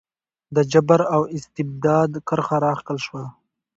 د جبر او استبداد کرښه راښکل شوه.